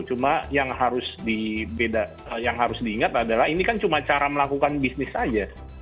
cuma yang harus diingat adalah ini kan cuma cara melakukan bisnis saja